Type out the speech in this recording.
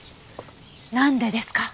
なんでですか？